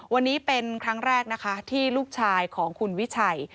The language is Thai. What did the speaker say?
วันนี้เป็นครั้งแรกนะคะที่ลูกชายของคุณวิชัย